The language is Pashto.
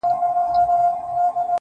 دوى ما اوتا نه غواړي~